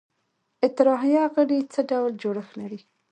اطراحیه غړي څه ډول جوړښت لري؟